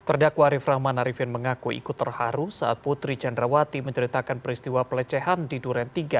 terdakwa arief rahman arifin mengaku ikut terharu saat putri candrawati menceritakan peristiwa pelecehan di duren tiga